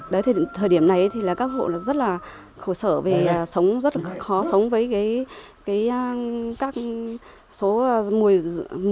đến thời điểm này các hộ rất khổ sở về sống rất khó sống với các số mùi rùi